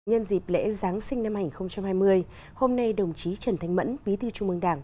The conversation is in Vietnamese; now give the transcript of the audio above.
nhân dịp lễ giáng sinh năm hai nghìn hai mươi hôm nay đồng chí trần thanh mẫn bí thư trung mương đảng